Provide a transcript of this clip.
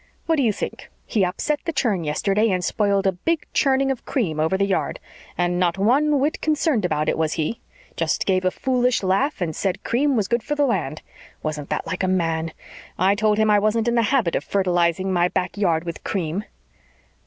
What do you think? He upset the churn yesterday and spilled a big churning of cream over the yard. And not one whit concerned about it was he! Just gave a foolish laugh and said cream was good for the land. Wasn't that like a man? I told him I wasn't in the habit of fertilising my back yard with cream."